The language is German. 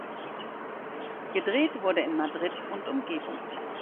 Gedreht wurde in Madrid und Umgebung.